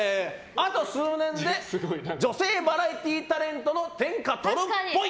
あと数年で女性バラエティータレントの天下取るっぽい。